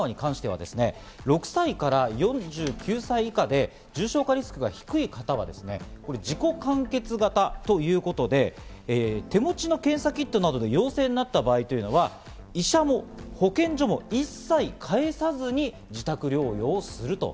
東京は受診するとお伝えしましたが神奈川に関しては６歳から４９歳以下で重症化リスクが低い方は自己完結型ということで手持ちの検査キットなどで陽性になった場合というのは、医者も保健所も一切介さずに自宅療養をする。